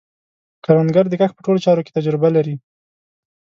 کروندګر د کښت په ټولو چارو کې تجربه لري